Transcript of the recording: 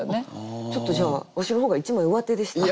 ちょっとじゃあわしの方が一枚うわてでしたかね？